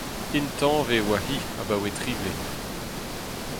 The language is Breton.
Intañvez oa-hi abaoe tri bloaz.